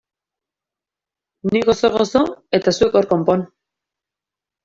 Ni gozo-gozo eta zuek hor konpon!